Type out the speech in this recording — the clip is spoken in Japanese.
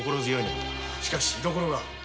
しかし居どころが？